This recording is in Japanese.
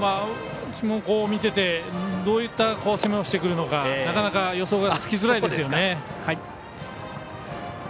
見ててどういった攻めをしてくるのかなかなか予想がつきづらいです。